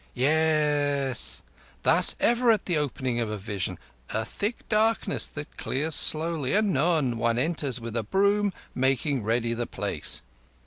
"Yes: thus ever at the opening of a vision. A thick darkness that clears slowly; anon one enters with a broom making ready the place.